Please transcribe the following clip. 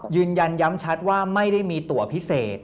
ยืนยันย้ำชัดว่าไม่ได้มีตัวพิเศษ